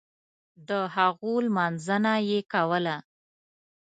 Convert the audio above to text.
دهغو لمانځنه یې کوله.